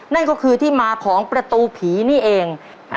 นั่นก็คือที่มาของประตูผีนี่เอง